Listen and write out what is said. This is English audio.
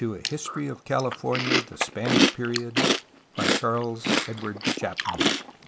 A HISTORY OF CALIFORNIA THE SPANISH PERIOD ^'i'\'\ ?^^ CHARLES E* CHAPMAN, Ph.